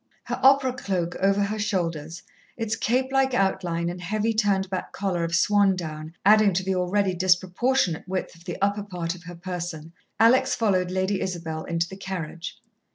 Her opera cloak over her shoulders, its cape like outline and heavy, turned back collar of swan down adding to the already disproportionate width of the upper part of her person, Alex followed Lady Isabel into the carriage.